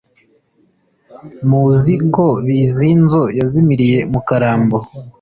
muzi ko bizinzo yazimiriye mu karambo